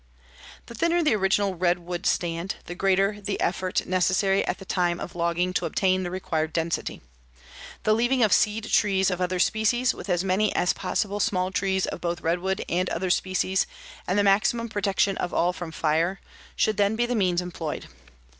The thinner the original redwood stand, the greater the effort necessary at the time of logging to obtain the required density. The leaving of seed trees of other species, with as many as possible small trees of both redwood and other species and the maximum protection of all from fire, should then be the means employed.